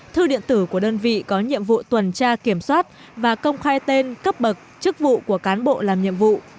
thư điện tử của đơn vị có nhiệm vụ tuần tra kiểm soát và công khai tên cấp bậc chức vụ của cán bộ làm nhiệm vụ